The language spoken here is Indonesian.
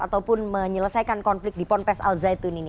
ataupun menyelesaikan konflik di ponpes al zaitun ini